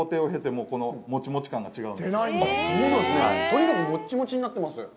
とにかくもっちもちになっています。